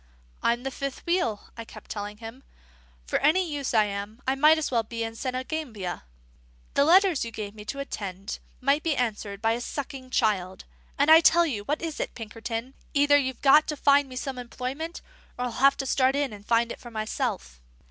"I'm the fifth wheel," I kept telling him. "For any use I am, I might as well be in Senegambia. The letters you give me to attend to might be answered by a sucking child. And I tell you what it is, Pinkerton: either you've got to find me some employment, or I'll have to start in and find it for myself."